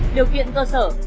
điều kiện cơ sở